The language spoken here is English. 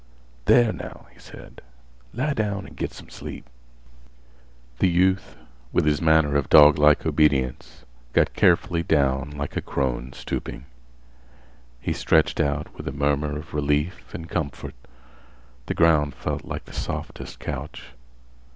"There now," he said, "lie down an' git some sleep." The youth, with his manner of doglike obedience, got carefully down like a crone stooping. He stretched out with a murmur of relief and comfort. The ground felt like the softest couch.